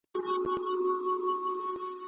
سالمه بدني روزنه د ټولنې لپاره ګټوره ده.